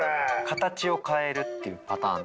形を変えるっていうパターン。